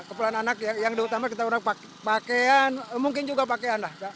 keperluan anak yang diutama kita orang pakaian mungkin juga pakaian lah